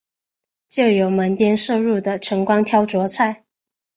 借由门边射入的晨光挑著菜